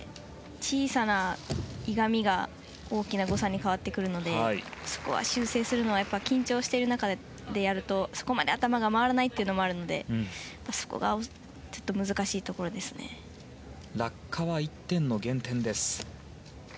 小さなゆがみが大きな誤差に変わってくるのでそこを修正するのは緊張している中でやるとそこまで頭が回らないというのがあるので落下は１点の減点です。